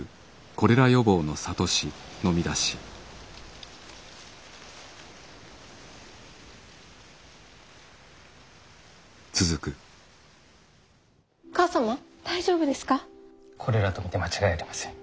コレラと見て間違いありません。